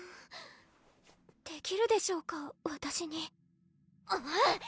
できるでしょうかわたしにううん！